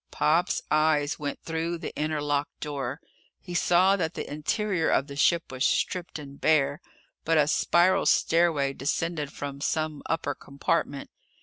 Pop's eyes went through the inner lock door. He saw that the interior of the ship was stripped and bare. But a spiral stairway descended from some upper compartment.